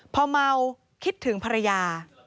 พอเมาคิดถึงภรรยา